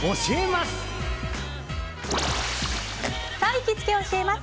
行きつけ教えます！